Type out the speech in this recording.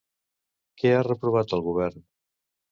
Què ha reprovat al govern?